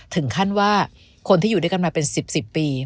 ถึงขั้นว่าคนที่อยู่ด้วยกันมาเป็น๑๐ปี